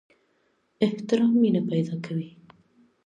احترام مینه پیدا کوي